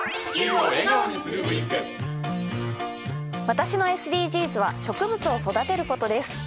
私のＳＤＧｓは植物を育てることです。